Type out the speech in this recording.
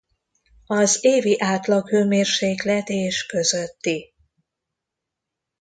Az évi átlaghőmérséklet és közötti.